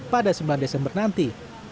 pada sembilan desember nanti